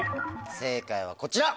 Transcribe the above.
正解はこちら。